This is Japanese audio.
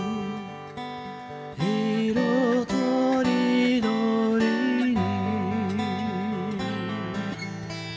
「色とりどりに」